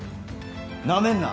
なめんな！